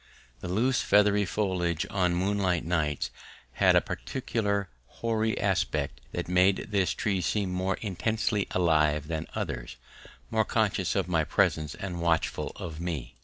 The loose feathery foliage on moonlight nights had a peculiar hoary aspect that made this tree seem more intensely alive than others, more conscious of my presence and watchful of me.